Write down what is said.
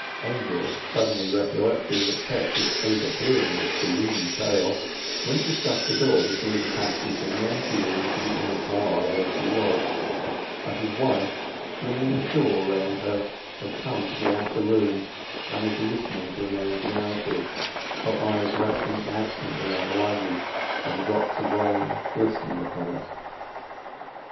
Angel, suddenly recollecting that Tess was overhearing this gloomy tale, went to shut the door between the passage and the ante room to the inner parlour where she was; but his wife, flinging a shawl round her, had come to the outer room and was listening to the man's narrative, her eyes resting absently on the luggage and the drops of rain glistening upon it.